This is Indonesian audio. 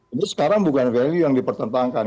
itu sekarang bukan value yang dipertentangkan